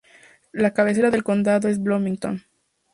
La cabecera del condado es Bloomington.